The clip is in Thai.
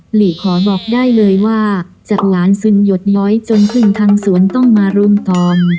หลีขอบอกได้เลยว่าจากหลานซึนหยดย้อยจนพึ่งทางสวนต้องมารุมตอง